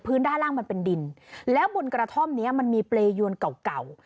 ด้านล่างมันเป็นดินแล้วบนกระท่อมนี้มันมีเปรยวนเก่าเก่า